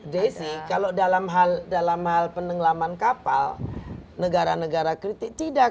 desi kalau dalam hal penenggelaman kapal negara negara kritik tidak